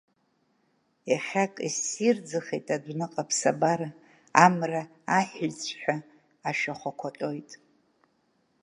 Иахьак иссирӡахеит адәныҟа аԥсабара, Амра аҳәиҵәҳәа ашәахәақәа аҟьоит.